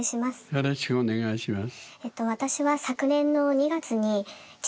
よろしくお願いします。